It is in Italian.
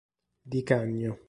Di Cagno